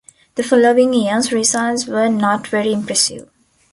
The following years' results were not very impressive.